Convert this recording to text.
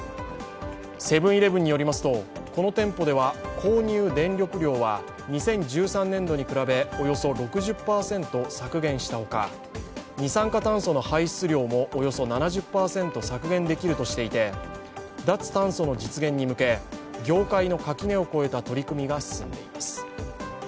セブン−イレブンによりますとこの店舗では購入電力量は２０１３年度に比べおよそ６０％削減したほか、二酸化炭素の排出量もおよそ７０％削減できるとしていて脱炭素の実現に向け、業界の垣根を越えた取り組みが進んでいます。